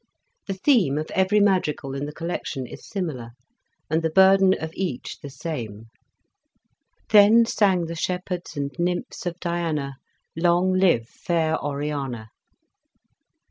The theme of every madrigal in the collection is similar, and the burden of each the same. " Then sang the Shepherds and nymphs of Diana. Long live fair Oriana."